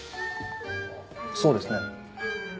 そうですね。